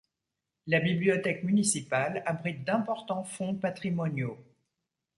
La bibliothèque municipale abrite d'importants fonds patrimoniaux.